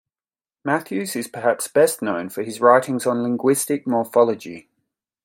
Matthews is perhaps best known for his writings on linguistic morphology.